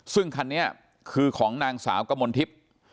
ซึ่งคันนี้คือของนางสาวกมลทิพย์